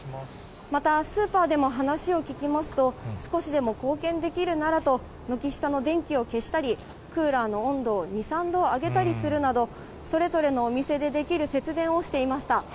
またスーパーでも話を聞きますと、少しでも貢献できるならと、軒下の電気を消したり、クーラーの温度を２、３度上げたりするなど、それぞれのお店でできる節電をしていました。